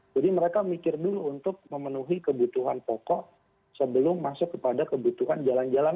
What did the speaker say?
jadi mereka mikir dulu untuk memenuhi kebutuhan pokok sebelum masuk ke kebutuhan jalan jalan